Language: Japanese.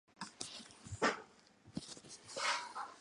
笠間市産の栗を食べる